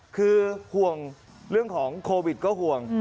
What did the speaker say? คือห่วงเรื่องของโควิดก็ห่วง